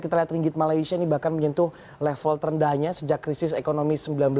kita lihat ringgit malaysia ini bahkan menyentuh level terendahnya sejak krisis ekonomi seribu sembilan ratus sembilan puluh